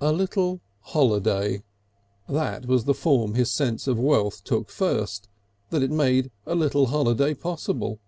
"A little holiday"; that was the form his sense of wealth took first, that it made a little holiday possible.